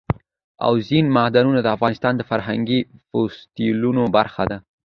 اوبزین معدنونه د افغانستان د فرهنګي فستیوالونو برخه ده.